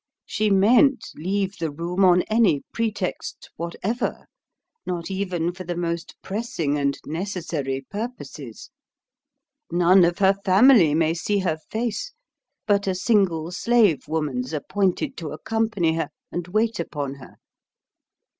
She mayn't leave the room on any pretext whatever, not even for the most pressing and necessary purposes. None of her family may see her face; but a single slave woman's appointed to accompany her and wait upon her.